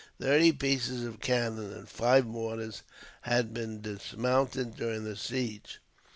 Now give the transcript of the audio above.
Thirty pieces of cannon and five mortars had been dismounted during the siege.